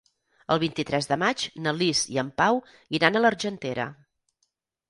El vint-i-tres de maig na Lis i en Pau iran a l'Argentera.